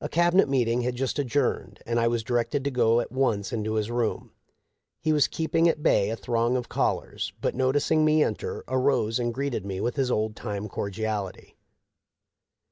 A Cabinet meeting had just adjourned, and I was directed to go at once to his room. He was keeping at bay a throng of callers, but, noticing me enter, arose and greeted me with his old time cordiality.